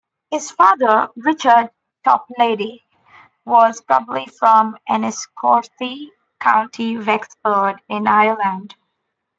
His father, Richard Toplady, was probably from Enniscorthy, County Wexford in Ireland.